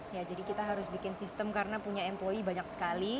ya jadi kita harus bikin sistem karena punya employe banyak sekali